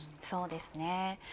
そうですね